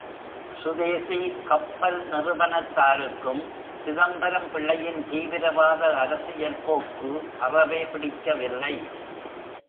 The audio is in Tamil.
சுதேசி கப்பல் நிறுவனத்தாருக்கும், சிதம்பரம் பிள்ளையின் தீவிரவாத அரசியல் போக்கு அறவே பிடிக்கவில்லை.